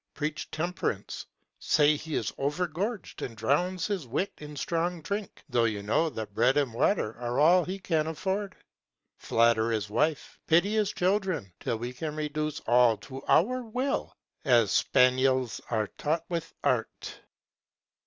Preach temperance: say he is overgorg'd and drowns his wit In strong drink, though you know that bread and water are all He can afford. Flatter his wife, pity his children, till we can Reduce all to our will, as spaniels are taught with art.'